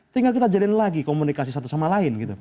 tinggal kita jadikan lagi komunikasi satu sama lain